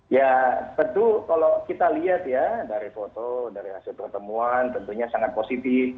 ya tentu kalau kita lihat ya dari foto dari hasil pertemuan tentunya sangat positif